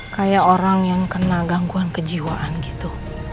kayak orang yang kena gangguan kejiwaan gitu